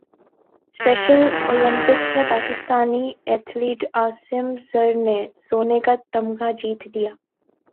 special Olympics میں Pakistani athlete Asim Zar نے سونے کا تمغہ جیت لیا